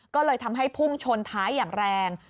ก็เลยทำให้พุ่งชนท้ายอย่างแรง